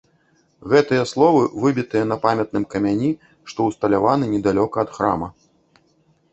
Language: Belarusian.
Гэтыя словы выбітыя на памятным камяні, што ўсталяваны недалёка ад храма.